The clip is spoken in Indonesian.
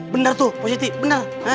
bener tuh positi bener